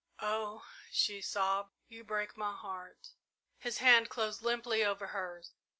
"Oh," she sobbed, "you break my heart!" His hand closed limply over hers.